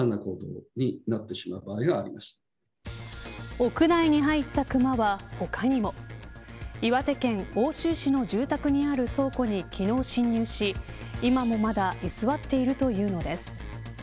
屋内に入ったクマは他にも。岩手県奥州市の住宅にある倉庫に昨日、侵入し今もまだ居座っているというのです。